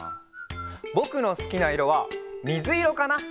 ぼくのすきないろはみずいろかな！